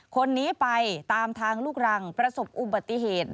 คนนี้ไปตามทางลูกรังประสบอุบัติเหตุ